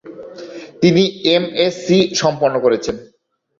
তিনি এমএসসি সম্পন্ন করেছেন।